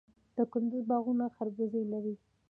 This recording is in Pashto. د کندز باغونه خربوزې لري.